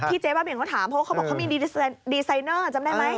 ที่เจ๊บ้าบิ่นเขาถามเค้าบอกว่าเขามีดีไซเนอร์จำได้ไหม